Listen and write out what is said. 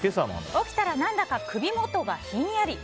起きたら何だか首元がひんやり。